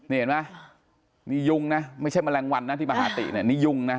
นี่เห็นไหมนี่ยุงนะไม่ใช่แมลงวันนะที่มหาติเนี่ยนี่ยุ่งนะ